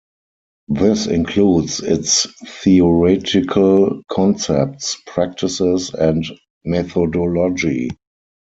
This includes its theoretical concepts, practices and methodology.